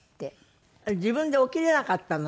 自分で起きれなかったの？